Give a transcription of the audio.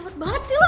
nyalet banget sih lo